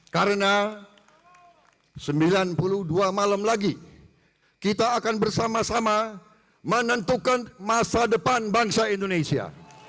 karena sembilan puluh dua malam lagi kita akan bersama sama menentukan masa depan bangsa indonesia